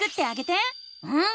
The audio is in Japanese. うん！